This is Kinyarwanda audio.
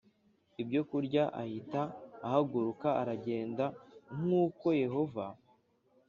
Ibyokurya ahita ahaguruka aragenda nk uko yehova